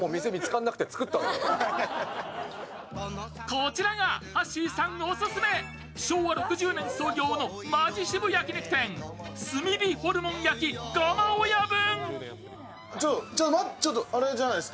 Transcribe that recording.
こちらがはっしーさんオススメ、昭和６０年創業の本気シブ焼き肉店炭火ホルモン焼がま親分。